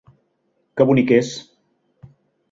Que bonic és!